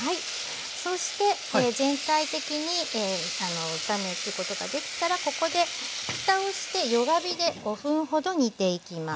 そして全体的に炒めることができたらここでふたをして弱火で５分ほど煮ていきます。